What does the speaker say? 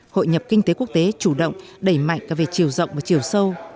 hội nhập kinh tế quốc tế chủ động đẩy mạnh cả về chiều rộng và chiều sâu